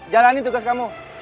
jalanin tugas kamu